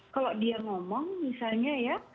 kalau dia ngomong misalnya ya